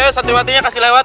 hei santriwatinya kasih lewat